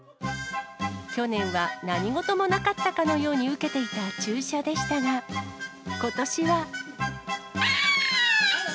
去年は何事もなかったかのように受けていた注射でしたが、ことしは。